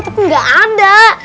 tapi gak ada